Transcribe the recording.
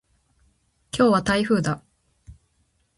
今日は台風だ。